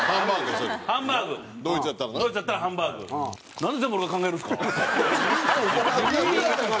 なんで全部俺が考えるんですか！